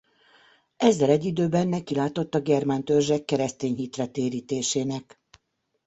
Ezzel egyidőben nekilátott a germán törzsek keresztény hitre térítésének.